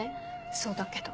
そうだけど。